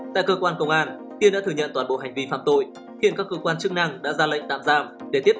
tại cơ quan công an tiên đã thừa nhận toàn bộ hành vi phạm tội